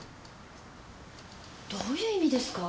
どういう意味ですか！？